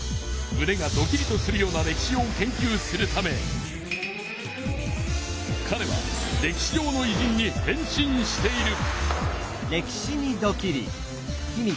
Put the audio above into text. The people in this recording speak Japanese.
むねがドキリとするような歴史を研究するためかれは歴史上のいじんに変身している。